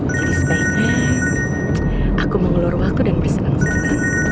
jadi sebaiknya aku mengelur waktu dan bersenang senang